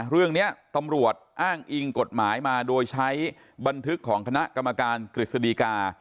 เรื่องนี้ตำรวจอ้างอิงกฎหมายมาโดยใช้บันทึกของคณะกรรมการกฤษฎีกา